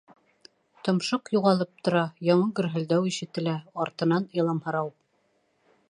Томшоҡ юғалып тора, яңы гөрһөлдәү ишетелә, артынан — иламһырау.